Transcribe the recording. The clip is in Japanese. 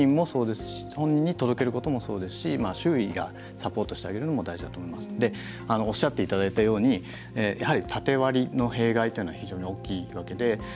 本人に届けることもそうですし周囲がサポートしてあげるのも大事だと思いますのでおっしゃっていただいたようにやはり縦割りの弊害というのは非常に大きいわけで。